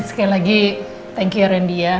sekali lagi thank you ya randy ya